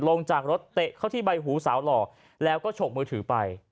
ลงจากรถเตะเข้าที่ใบหูสาวหล่อแล้วก็ฉกมือถือไป